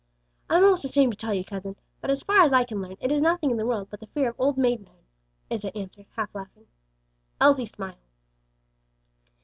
I'm almost ashamed to tell you, cousin, but as far as I can learn it is nothing in the world but the fear of old maidenhood," Isa answered, half laughing. Elsie smiled.